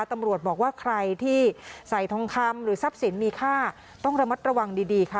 ตำรวจบอกว่าใครที่ใส่ทองคำหรือทรัพย์สินมีค่าต้องระมัดระวังดีดีค่ะ